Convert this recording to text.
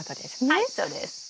はいそうです。